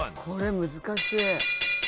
これ難しい。